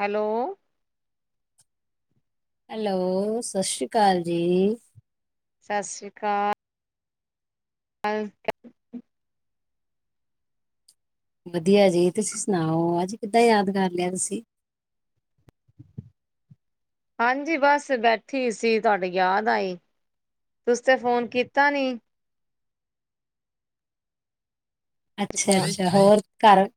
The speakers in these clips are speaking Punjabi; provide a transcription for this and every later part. ਹੈਲੋ ਹੈਲੋ ਸਤਿ ਸ਼੍ਰੀ ਅਕਾਲ ਜੀ ਸਤਿ ਸ੍ਰੀ ਅਕਾਲ ਅਕਾਲ ਵਧੀਆ ਜੀ ਤੁਸੀਂ ਸੁਣਾਓ ਅੱਜ ਕਿੱਦਾਂ ਯਾਦ ਕਰ ਲਿਆ ਤੁਸੀਂ ਹਾਂਜੀ ਬਸ ਬੈਠੀ ਸੀ ਤੁਹਾਡੇ ਯਾਦ ਆਈ ਤੁਸੀਂ ਤੇ ਫੋਨ ਕੀਤਾ ਨਹੀਂ ਅੱਛਾ ਫੋਨ ਅੱਛਾ ਹੋਰ ਘਰ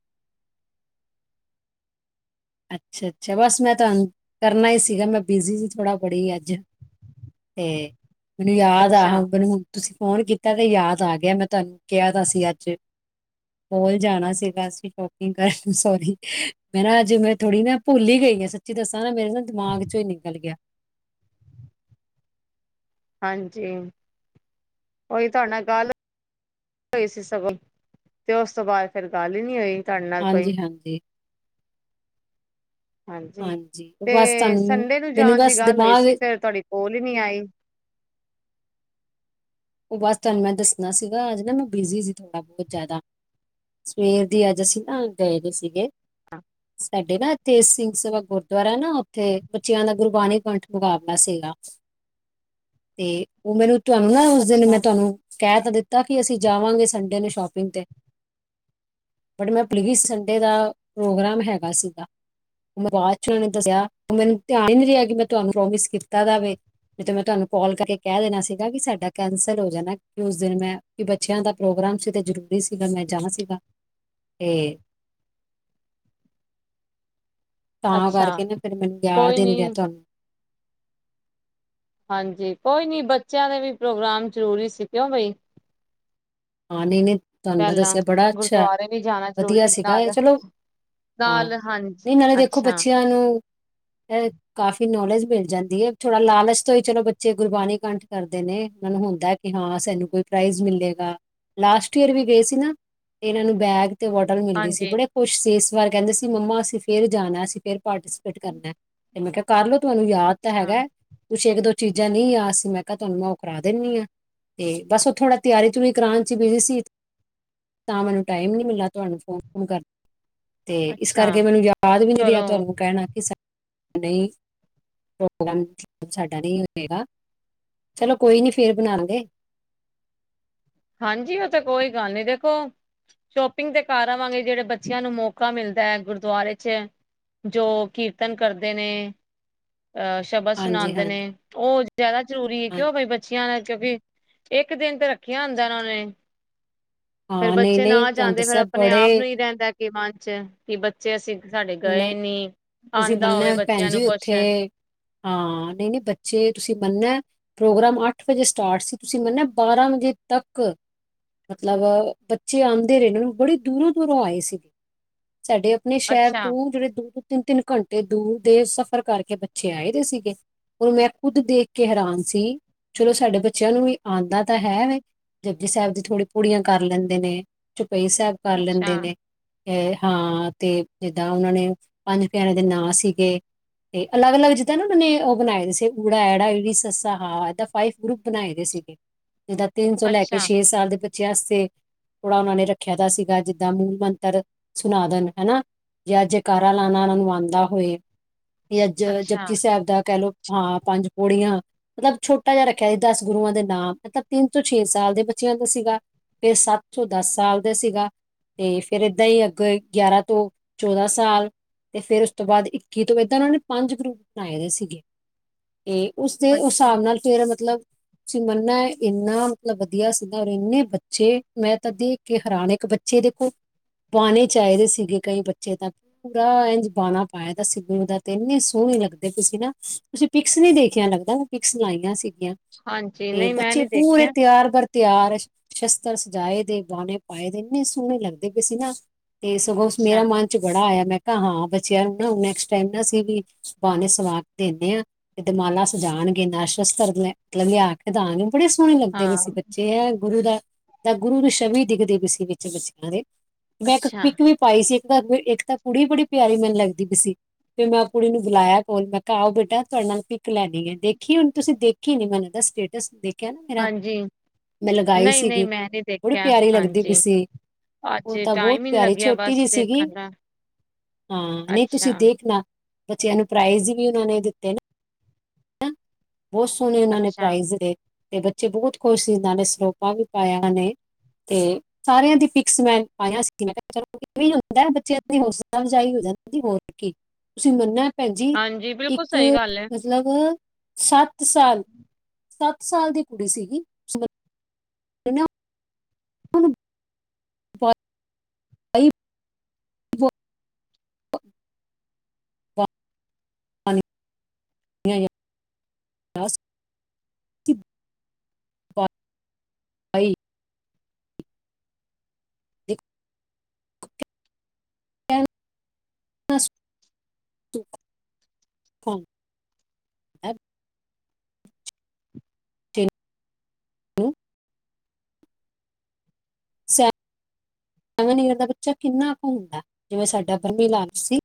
ਅੱਛਾ ਅੱਛਾ ਬਸ ਮੈਂ ਤੁਹਾਨੂੰ ਕਰਨਾ ਹੀ ਸੀਗਾ ਮੈਂ ਬਿਜ਼ੀ ਸੀ ਥੋੜਾ ਬੜੀ ਅੱਜ ਤੇ ਮੈਨੂੰ ਯਾਦ ਆ ਅੱਛਾ ਅਬਰ ਹੁਣ ਤੁਸੀਂ ਫੋਨ ਕੀਤਾ ਤੇ ਯਾਦ ਆ ਗਿਆ ਮੈਂ ਤੁਹਾਨੂੰ ਕਿਹਾ ਸੀ ਅੱਜ ਮੋਲ ਜਾਣਾ ਸੀਗਾ ਅਸੀਂ ਸ਼ੋਪਿੰਗ ਕਰਨ ਸੋਰੀ ਮੈਂ ਨਾ ਅੱਜ ਮੈਂ ਥੋੜੀ ਮੈਂ ਭੁੱਲ ਹੀ ਗਈ ਆ ਸੱਚੀ ਦੱਸਾਂ ਨਾ ਮੇਰੇ ਨਾ ਦਿਮਾਗ ਚੋਂ ਹੀ ਨਿਕਲ ਗਿਆ ਹਾਂਜੀ ਓਈ ਤੁਹਾਡਾ ਨਾਲ ਗੱਲ ਹੋਈ ਸੀ ਸਗੋਂ ਤੇ ਉਸ ਤੋਂ ਬਾਅਦ ਫਿਰ ਗੱਲ ਹੀ ਨਹੀਂ ਹੋਈ ਤੁਹਾਡੇ ਨਾਲ ਕੋਈ। ਹਾਂਜੀ ਹਾਂਜੀ ਹਾਂਜੀ ਹਾਂਜੀ ਤੇ ਬਸ ਤੁਹਾਨੂੰ ਸੰਡੇ ਨੂੰ ਮੈਨੂੰ ਜਾਣ ਦੀ ਬਸ ਗੱਲ ਹੋਈ ਦਿਮਾਗ ਸੀ ਫਿਰ ਤੁਹਾਡੀ ਕੋਲ ਹੀ ਨੀ ਆਈ ਉਹ ਬਸ ਤੁਹਾਨੂੰ ਮੈਂ ਦੱਸਣਾ ਸੀਗਾ ਅੱਜ ਨਾ ਮੈਂ ਬਿਜ਼ੀ ਸੀ ਥੋੜਾ ਬਹੁਤ ਜ਼ਿਆਦਾ ਸਵੇਰ ਦੀ ਅੱਜ ਅਸੀਂ ਨਾ ਗਏ ਨੇ ਸੀਗੇ ਸਾਡੇ ਨਾ ਇਥੇ ਏਸੀ ਗੁਰਦੁਆਰਾ ਨਾ ਉੱਥੇ ਬੱਚਿਆਂ ਦਾ ਗੁਰਬਾਣੀ ਕੰਠ ਮੁਕਾਬਲਾ ਸੀਗਾ ਤੇ ਉਹ ਮੈਨੂੰ ਤੁਹਾਨੂੰ ਨਾ ਉਸ ਦਿਨ ਮੈਂ ਅੱਛਾ, ਤੁਹਾਨੂੰ ਕਹਿ ਤਾਂ ਦਿੱਤਾ ਕਿ ਅਸੀਂ ਜਾਵਾਂਗੇ ਸੰਡੇ ਨੂੰ ਸ਼ੋਪਿੰਗ ਤੇ ਬਟ ਮੈਂ ਪਲੀਜ਼ ਸੰਡੇ ਦਾ ਪ੍ਰੋਗਰਾਮ ਹੈਗਾ ਸੀਗਾ ਬਾਅਦ ਚ ਉਹਨਾਂ ਨੇ ਦੱਸਿਆ, ਮੈਨੂੰ ਧਿਆਨ ਹੀ ਨੀ ਰਿਹਾ, ਕਿ ਮੈਂ ਤੁਹਾਨੂੰ ਪ੍ਰੋਮਿਸ ਕੀਤਾ ਜਾਵੇ। ਨੀ ਤਾਂ, ਮੈਂ ਤੁਹਾਨੂੰ ਕਾਲ, ਕਰਕੇ ਕਹਿ ਦੇਣਾ ਸੀਗਾ। ਵੀ ਸਾਡਾ। ਕੈਂਸਲ ਹੋ ਜਾਣਾ। ਕਿ ਉਸ ਦਿਨ ਮੈਂ, ਕਿ ਬੱਚਿਆਂ ਦਾ ਪ੍ਰੋਗਰਾਮ ਸੀ, ਤੇ ਜ਼ਰੂਰੀ ਸੀਗਾ, ਮੈਂ ਜਾਣਾ ਸੀਗਾ। ਤੇ। ਤਾਂ ਅੱਛਾ ਕਰਕੇ ਨਾ, ਫੇਰ ਮੈਨੂੰ, ਯਾਦ ਹੀ ਨੀ, ਰਿਹਾ ਤੁਹਾਨੂੰ। ਹਾਂਜੀ ਕੋਈ ਨਹੀਂ ਬੱਚਿਆਂ ਦੇ ਵੀ ਪ੍ਰੋਗਰਾਮ ਜ਼ਰੂਰੀ ਸੀ ਕਿਉਂ ਬਈ ਹਾਂ ਨਹੀਂ ਨਹੀਂ ਤੁਹਾਨੂੰ ਮੈਂ ਪਹਿਲਾਂ। ਦੱਸਿਆ ਬੜਾ ਅੱਛਾ ਗੁਰਦੁਆਰੇ ਵੀ ਜਾਣਾ ਵਧੀਆ ਜ਼ਰੂਰੀ ਸੀਗਾ ਇਹ ਨਾਲ, ਚਲੋ ਹਾਂ। ਨਾਲ ਹਾਂਜੀ ਨਹੀਂ, ਨਾਲੇ ਦੇਖੋ, ਅੱਛਾ, ਬੱਚਿਆਂ ਨੂੰ ਅ- ਕਾਫ਼ੀ ਨੌਲੇਜ ਮਿਲ ਜਾਂਦੀ ਹੈ। ਥੋੜਾ ਲਾਲਚ ਤੋਂ ਹੀ, ਚਲੋ ਬੱਚੇ ਗੁਰਬਾਣੀ, ਕੰਠ ਕਰਦੇ ਨੇ। ਉਹਨਾਂ ਨੂੰ ਹੁੰਦਾ ਕਿ ਹਾਂ, ਸਾਨੂੰ ਕੋਈ, ਪ੍ਰਾਈਜ਼ ਮਿਲੇਗਾ। ਲਾਸਟ ਈਅਰ ਵੀ ਗਏ ਸੀ, ਨਾ। ਤੇ ਇਹਨਾਂ ਨੂੰ, ਬੈਗ, ਤੇ ਬੋਟਲ ਮਿਲਦੀ ਸੀ। ਹਾਂਜੀ। ਬੜੇ ਖੁਸ਼ ਸੀ। ਇਸ ਵਾਰ ਕਹਿੰਦੇ ਸੀ। ਮੰਮਾ ਅਸੀਂ ਫੇਰ ਜਾਣਾ ਏ। ਅਸੀਂ ਫੇਰ ਪਾਰਟੀਸਪੇਟ ਕਰਨਾ ਏ। ਤੇ ਮੈਂ ਕਿਹਾ, ਕਰਲਓ ਤੁਹਾਨੂੰ, ਯਾਦ ਤਾਂ ਅੱਛਾ, ਹੈਗਾ। ਕੁਛ ਇੱਕ, ਦੋ ਚੀਜ਼ਾਂ ਨਹੀਂ ਆ ਯਾਦ ਸੀਂ। ਮੈਂ ਕਿਹਾ ਤੁਹਾਨੂੰ, ਮੈਂ ਉਹ ਕਰਾ ਦਿੰਦੀ ਹਾਂ। ਤੇ ਬਸ ਉਹ ਥੋੜਾ ਤਿਆਰੀ ਚ ਭੀ। ਕਰਾਨ ਚ ਬਿਜੀ ਸੀ। ਤਾਂ ਮੈਨੂੰ ਟਾਈਮ ਨੀ, ਮਿਲਾ ਤੁਹਾਨੂੰ ਫੋਨ, ਕਰਨ ਦਾ। ਤੇ ਇਸ ਅੱਛਾ ਕਰਕੇ, ਮੈਨੂੰ ਯਾਦ ਵੀ, ਨੀ ਚਲੋ ਰਿਹਾ। ਤੁਹਾਨੂੰ ਕਹਿਣਾ। ਕਿ ਨਹੀਂ, ਪ੍ਰੋਗਰਾਮ ਸਾਡਾ, ਨਹੀਂ ਹੋਏਗਾ। ਚਲੋ ਕੋਈ ਨੀ, ਫੇਰ ਬਣਾ ਲਾਂਗੇ। ਹਾਂਜੀ। ਉਹ ਤੇ, ਕੋਈ ਗੱਲ ਨੀ। ਦੇਖੋ ਸ਼ੋਪਿੰਗ ਤੇ ਕਾਰ ਆਵਾਂਗੇ। ਜਿਹੜੇ ਬੱਚਿਆਂ ਨੂੰ, ਮੌਕਾ ਮਿਲਦਾ ਹੈ। ਗੁਰਦੁਆਰੇ ਚ ਜੋ, ਕੀਰਤਨ ਕਰਦੇ ਨੇ। ਅਹ ਸ਼ਬਦ ਹਾਂਜੀ ਸੁਣਾਉਂਦੇ ਨੇ। ਹਾਂਜੀ ਉਹ ਜ਼ਿਆਦਾ ਜ਼ਰੂਰੀ ਏ। ਹਾਂਜੀ ਕਿਉਂ ਬਈ, ਬੱਚੀਆਂ ਕਿਉਂਕਿ ਇੱਕ ਦਿਨ ਤੇ। ਰੱਖੇ ਆ ਉਂਦਾ ਉਹਨਾਂ ਨੇ। ਫੇਰ ਹਾਂ ਨਹੀਂ ਬੱਚੇ ਨਾ ਨਹੀਂ ਤੁਹਾਨੂੰ ਜਾਂਦੇ। ਫੇਰ ਦੱਸਿਆ ਆਪਣੇ- ਆਪ ਬੜੇ ਨੂੰ ਹੀ ਰਹਿੰਦਾ। ਮਨ ਚ। ਕਿ ਬੱਚੇ ਅਸੀਂ ਸਾਡੇ, ਗਏ ਨਹੀਂ, ਨੀ। ਤੁਸੀਂ ਆਂਦਾ ਹੋਵੇ ਮੰਨਣਾ ਭੈਣ ਬੱਚਿਆਂ ਨੂੰ ਜੀ ਕੁੁਛ। ਉੱਥੇ ਹਾਂ, ਨਹੀਂ- ਨਹੀਂ, ਬੱਚੇ ਤੁਸੀਂ ਮੰਨਣਾ। ਪ੍ਰੋਗਰਾਮ, ਅੱਠ ਵਜੇ ਸਟਾਰਟ ਸੀ। ਤੁਸੀਂ ਮੰਨਿਆ ਬਾਰਾਂ ਵਜੇ ਤੱਕ ਮਤਲਬ, ਬੱਚੇ ਆਦੇ ਰਹੇ ਨੂੰ। ਬੜੇ ਦੂਰੋਂ- ਦੂਰੋਂ ਆਏ ਸੀ। ਸਾਡੇ ਆਪਣੇ ਸ਼ਹਿਰ ਅੱਛਾ ਤੋਂ। ਜਿਹੜੇ ਦੋ- ਦੋ, ਤਿੰਨ- ਤਿੰਨ, ਘੰਟੇ ਦੂਰ ਦੇ, ਸਫ਼ਰ ਕਰਕੇ ਬੱਚੇ ਆਏ ਦੇ ਸੀਗੇ। ਹੁਣ, ਮੈਂ ਖੁੱਦ ਦੇਖ ਕੇ, ਹੈਰਾਨ ਸੀ। ਚਲੋ ਸਾਡੇ ਬੱਚਿਆਂ ਨੂੰ ਵੀ, ਆਂਦਾ ਤਾਂ ਹੈ ਵੈ। ਜੁਪਜੀ ਸਾਹਿਬ, ਦੀ ਥੋੜੀ ਪੂੜੀਆਂ ਕਰ ਲੈਂਦੇ ਨੇ। ਝੁਪਈ ਸਾਹਿਬ ਕਰ ਅੱਛਾ ਲੈਂਦੇ ਨੇ। ਅ ਹਾਂ, ਤੇ ਜਿੱਦਾਂ ਉਹਨਾਂ ਨੇ ਪੰਜ ਪਿਆਰਿਆਂ, ਦੇ ਨਾਂ ਸੀਗੇ। ਤੇ ਅਲੱਗ- ਅਲੱਗ, ਜਿੱਦਾਂ ਨਾ ਉਹਨਾਂ ਨੇ, ਉਹ ਬਣਾਏ ਸੀ। ੳ, ਅ, ੲ, ਸ, ਹ। ਇਹਦਾ ਫਾਈਵ ਗਰੁੱਪ ਬਣਾਏ ਦੇ ਸੀ। ਜਿੱਦਾਂ, ਤਿੰਨ ਤੋ ਲੈ ਕੇ, ਅੱਛਾ ਛੇ, ਸਾਲ ਦੇ ਬੱਚੇਆਂ ਵਾਸਤੇ। ਥੋੜਾ ਉਹਨਾ ਨੇ, ਰੱਖਿਆ ਦਾ ਸੀਗਾ। ਜਿੱਦਾਂ ਮੂਲ ਮੰਤਰ, ਸੁਨਾਦਨ ਹਨਾ। ਜਾਂ ਜੈਕਾਰ ਲਾਣਾ ਉਹਨਾਂ ਨੂੰ, ਆਉਂਦਾ ਹੋਏ। ਜਾਂ ਅੱਛਾ ਜੂਪਜੀ ਸਾਹਿਬ, ਦਾ ਕਹਿ ਲੋੋ ਹਾਂ, ਪੰਜ ਪੌੜੀਆਂ। ਮਤਲਬ ਛੋਟਾ ਜਿਹਾ ਰੱਖਿਆ ਸੀ। ਦਸ ਗੁਰੂਆਂ ਦੇ ਨਾਮ, ਮਤਲਬ ਤਿੰਨ ਤੋਂ ਛੇ ਸਾਲ, ਦੇ ਬੱਚਿਆਂ ਦਾ ਸੀਗਾ। ਫੇਰ ਸੱਤ ਤੋ ਦਸ ਸਾਲ, ਦਾ ਸੀਗਾ। ਤੇ ਫੇਰ, ਏਦਾਂ ਹੀ, ਅੱਗ ਗਿਆਰਾਂ ਤੋਂ ਚੌਦਾਂ ਸਾਲ। ਤੇ ਫੇਰ ਉਸ ਤੋਂ ਬਾਅਦ, ਇੱਕੀ ਤੋਂ ਇੱਦਾਂ ਉਹਨਾਂ ਨੇ। ਪੰਜ ਗਰੁੱਪ ਬਣਾਏ ਦੇ ਸੀਗੇ। ਤੇ ਉਸਦੇ, ਅੱਛਾ ਹਿਸਾਬ ਨਾਲ ਫੇਰ ਮਤਲਬ। ਤੁਸੀਂ ਮੰਨਨਾ ਏ। ਇੰਨਾ ਮਤਲਬ ਵਧੀਆ ਸੀਗਾ। ਔਰ ਇੰਨੇ ਬੱਚੇ। ਮੈਂ ਤਾਂ ਦੇਖ ਕਿ ਹੈਰਾਨ ਇੱਕ ਬੱਚੇ ਦੇਖੋ, ਬਾਣੇ ਚ ਆਏ ਸੀਗੇ ਕਈ ਬੱਚੇ ਤਾਂ। ਪੂਰਾ ਇੰਜ ਬਾਣਾ ਪਾਇਆ ਤਾਂ। ਗੁਰੂ ਦਾ ਤੇ ਇੰਨੇ ਸੋਹਣੇ, ਲੱਗਦੇ ਤੁਸੀਂ ਨਾ। ਤੁਸੀਂ ਪਿਕਸ ਨੀ ਦੇਖਿਆ, ਲੱਗਦਾ। ਪਿਕਸ ਲਾਈਆਂ ਸੀਗੀਆਂ। ਹਾਂਜੀ ਤੇ ਨਹੀਂ ਮੈਂ ਬੱਚੇ ਨੀ ਪੂਰੇ ਦੇਖਿਆ ਤਿਆਰ ਕਰ ਤਿਆਰ ਸ਼ਸਤਰ ਸਜਾਏ ਦੇ, ਬਾਣੇ ਪਾਏ ਦੇ ਇੰਨੇ ਸੋਹਣੇ, ਲੱਗਦੇ ਪਏ ਸੀ ਨਾ। ਤੇ ਸਗੋਂ, ਮੇਰਾ ਅੱਛਾ ਮਨ ਚ, ਬੜਾ ਆਇਆ ਮੈਂ ਤਾਂ, ਹਾਂ ਬਚਿਆ ਨੂੰ ਨਾ। ਨੈਕਸਟ ਟਾਈਮ ਨਾ, ਅਸੀਂ ਵੀ ਇਸ ਬਹਾਨੇ, ਸਵਾ ਕੇ ਦਿੰਨੇ ਆ। ਦਮਾਲਾ ਸਜਾਣਗੇ, ਨਾਲੇ ਸ਼ਸਤਰ, ਲਿਆ ਕੇ ਦਾਂਗੇ। ਬੜੇ ਸੋਹਣੇ ਲੱਗਦੇ ਨੇ ਹਾਂ ਅਸੀਂ ਬੱਚੇ ਐ ਗੁਰੂ ਦਾ ਤਾਂ ਗੁਰੂ ਨੂੰ ਛਵੀ ਦਿਖਦੇ ਸੀ ਵਿੱਚ ਮੱਸੀਆਂ ਦੇ ਮੈਂ ਇੱਕ ਅੱਛਾ, ਪਿਕ ਵੀ ਪਾਈ ਸੀ ਇੱਕ ਤਾਂ ਇੱਕ ਤਾਂ- ਕੁੜੀ ਬੜੀ ਪਿਆਰੀ ਮੈਨੂੰ ਲੱਗਦੀ ਪੀ ਸੀ ਤੇ ਮੈਂ ਉਹ ਕੁੜੀ ਨੂੰ ਬੁਲਾਇਆ ਕੋਲ ਮੈਂ ਕਿਹਾ ਆਓ ਬੇਟਾ ਤੁਹਾਡੇ ਨਾਲ ਲੈਣੀ ਐ ਦੇਖੀ ਹੁਣ ਤੁਸੀਂ ਦੇਖੀ ਨੀ ਮਨ ਇਹਦਾ ਸਟੇਟਸ ਦੇਖ ਕ ਨਾ ਮੇਰਾ ਹਾਂਜੀ ਮੈਂ ਲਗਾਈ ਨਹੀਂ-ਨਹੀਂ ਸੀਗੀ ਮੈਂ ਨੀ ਬੜੀ ਦੇਖਿਆ ਪਿਆਰੀ ਲੱਗਦੀ ਹਾਂਜੀ। ਪਿਸੀ। ਅੱਜ ਉਹ ਤਾਂ, ਬਹੁਤ ਟਾਈਮ ਹੀ ਨੀ ਪਿਆਰੀ, ਲੱਗਿਆ ਛੋਟੀ ਬਸ ਜਿਹੀ ਸੀਗੀ। ਦੇਖਣ ਦਾ ਹਾਂ, ਨਹੀਂ ਤੁਸੀਂ ਅੱਛਾ-ਅੱਛਾ ਦੇਖਣਾ, ਬੱਚਿਆਂ ਨੂੰ ਪ੍ਰਾਈਜ਼ ਵੀ, ਉਹਨਾਂ ਨੇ ਦਿੱਤੇ ਨੇ। ਬਹੁਤ ਸੋਹਣੇ ਉਹਨਾਂ ਨੇ ਪ੍ਰਾਈਜ਼ ਦੇ ਤੇ ਬੱਚੇ ਬਹੁਤ ਖੁਸ਼ ਸੀ ਇਹਨਾਂ ਨੇ ਸਰਲੋਪਾਂ ਵੀ ਪਾਇਆ ਓਹਨਾ ਨੇ। ਤੇ ਸਾਰਿਆਂ ਦੀ ਪਿਕਸ ਮੈਂ ਪਾਇਆ ਸੀ ਮੈਂ ਹੁੰਦਾ ਬੱਚਿਆਂ ਨੂੰ। ਸਲਾਜਾਈ ਹੋ ਜਾਂਦੀ ਹੋ ਤੁਸੀਂ ਮੰਨਣਾ ਭੈਣਜੀ ਹਾਂਜੀ ਬਿਲਕੁਲ ਇੱਕ ਸਹੀ ਗੱਲ ਐ। ਮਤਲਬ ਸੱਤ ਸਾਲ ਸੱਤ ਸਾਲ ਦੀ ਕੁੜੀ ਸੀਗੀ। ਤੁਸੀਂ [inaudible] ਉਹਨੂੰ [inaudible] [inaudible] ਭਾਈ [inaudible] ਹੈ [inaudible] ਪ ਨੀਦਾ ਬੱਚਾ ਕਿੰਨਾ ਕੁ ਹੁੰਦਾ ਜਿਵੇਂ ਸਾਡਾ ਬਰਮੀ [inaudible] ਸੀ।